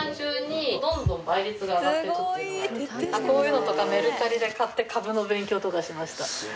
こういうのとかメルカリで買って株の勉強とかしました